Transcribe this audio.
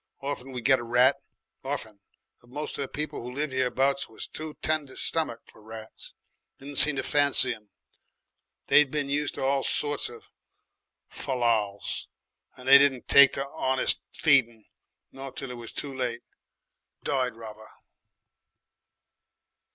Orfen we got a rat. Orfen. But moce of the people who lived hereabouts was too tender stummicked for rats. Didn't seem to fancy 'em. They'd been used to all sorts of fallals, and they didn't take to 'onest feeding, not till it was too late. Died rather.